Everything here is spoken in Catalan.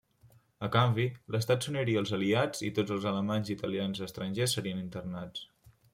A canvi, l'estat s'uniria als Aliats i tots els alemanys i italians estrangers serien internats.